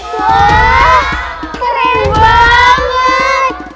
wah keren banget